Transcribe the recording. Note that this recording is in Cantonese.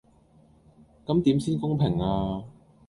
咁點先公平呀?